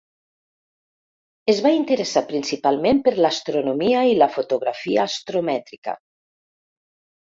Es va interessar principalment per l'astrometria i la fotografia astromètrica.